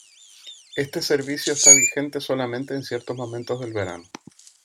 Este servicio está vigente solamente en ciertos momentos del verano.